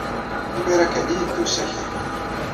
Imir-a kan ay yedda usakal.